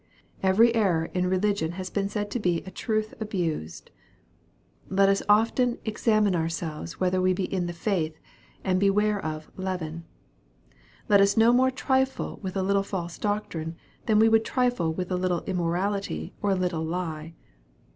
Every error in religion has been said to be a truth abused. Let us often " examine ourselves whether we be in the faith," and beware of " leaven." Let us no more trifle with a little false doctrine, than we would trifle with a little immorality or a little lie.